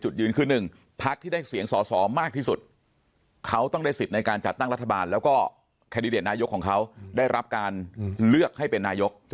สว๒๕๐เศียงไม่ควรฝืน